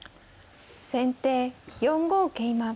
先手４五桂馬。